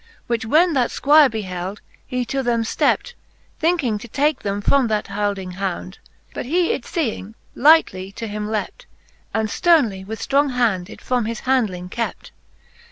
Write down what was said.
Which when that Squire beheld, he to them ftept. Thinking to take them from that hylding hound : But he it feeing, lightly to him lept, And fternely with ftrong hand it from his handling kept.